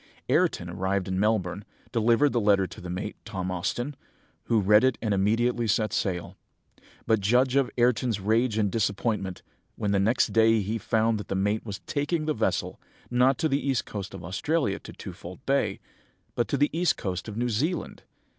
"Ayrton, arrived at Melbourne, delivered the letter to the mate, Tom Austin, who read it and immediately set sail; but judge of Ayrton's rage and disappointment, when the next day he found that the mate was taking the vessel, not to the east coast of Australia, to Twofold Bay, but to the east coast of New Zealand.